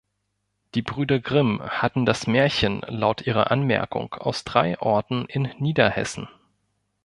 Die Brüder Grimm hatten das Märchen laut ihrer Anmerkung aus drei Orten in Niederhessen.